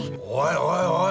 おいおい